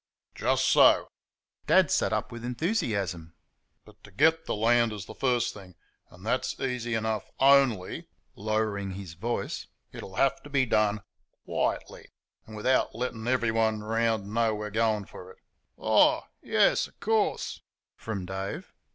"Just so" (Dad sat up with enthusiasm), "but to get the LAND is the first thing, and that's easy enough ONLY" (lowering his voice) "it'll have to be done QUIETLY and without letting everyone 'round know we're going in for it." ("Oh! yairs, o' course," from Dave.)